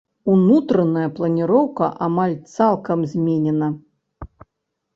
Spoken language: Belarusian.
Унутраная планіроўка амаль цалкам зменена.